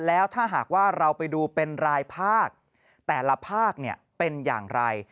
แล้วถ้าหากว่าเราไปดูเป็นรายภาคแต่ละภาคเป็นอย่างไร